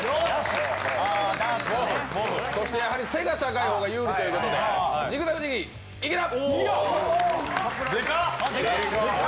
そしてやはり背が高いのが有利ということでジグザグジギー・池田！